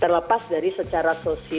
terlepas dari secara sosial